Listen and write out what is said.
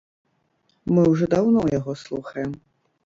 Мы ўжо даўно яго слухаем.